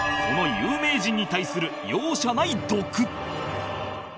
この有名人に対する容赦ない毒